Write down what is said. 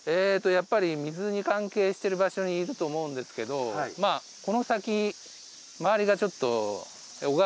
やっぱり水に関係してる場所にいると思うんですけどこの先周りがちょっと。